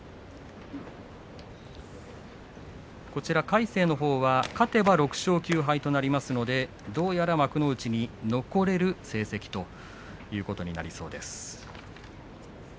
魁聖のほうは勝てば６勝９敗となりますのでどうやら幕内に残れる成績ということになりそうです。